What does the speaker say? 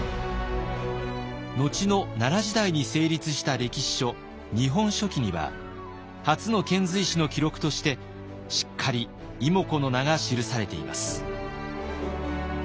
後の奈良時代に成立した歴史書「日本書紀」には初の遣隋使の記録としてしっかり妹子の名が記されています。